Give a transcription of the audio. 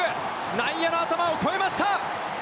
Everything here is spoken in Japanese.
内野の頭を超えました！